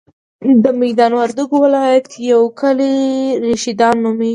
د ميدان وردګو ولایت یو کلی رشیدان نوميږي.